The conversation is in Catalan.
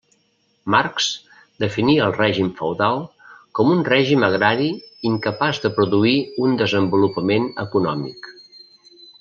Marx definia el règim feudal com un règim agrari incapaç de produir un desenvolupament econòmic.